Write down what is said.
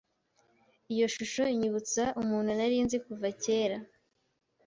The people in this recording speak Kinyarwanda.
Iyo shusho inyibutsa umuntu nari nzi kuva kera.